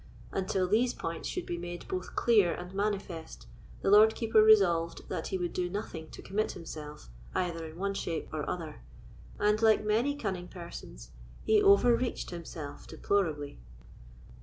Until these points should be made both clear and manifest, the Lord Keeper resolved that he would do nothing to commit himself, either in one shape or other; and, like many cunning persons, he overreached himself deplorably.